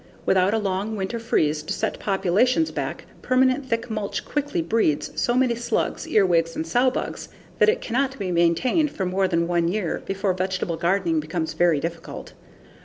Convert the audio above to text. Without a long winter freeze to set populations back, permanent thick mulch quickly breeds so many slugs, earwhigs, and sowbugs that it cannot be maintained for more than one year before vegetable gardening becomes very difficult.